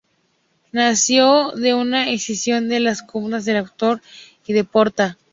Nació de una escisión de las comunas de Latour-de-Carol y de Porta.